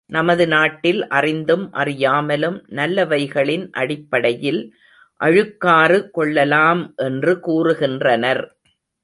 நமது நாட்டில் அறிந்தும் அறியாமலும் நல்லவைகளின் அடிப்படையில் அழுக்காறு கொள்ளலாம் என்று கூறுகின்றனர்.